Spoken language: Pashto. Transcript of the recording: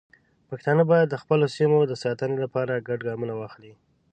پښتانه باید د خپلو سیمو د ساتنې لپاره ګډ ګامونه واخلي.